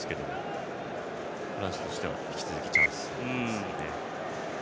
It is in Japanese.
フランスとしては引き続きチャンスですね。